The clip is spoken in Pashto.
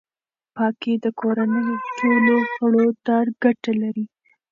پاکي د کورنۍ ټولو غړو ته ګټه لري.